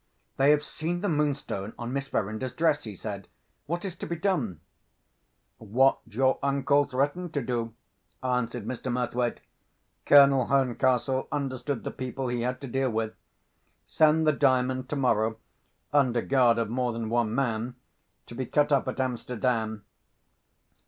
"They have seen the Moonstone on Miss Verinder's dress," he said. "What is to be done?" "What your uncle threatened to do," answered Mr. Murthwaite. "Colonel Herncastle understood the people he had to deal with. Send the Diamond tomorrow (under guard of more than one man) to be cut up at Amsterdam.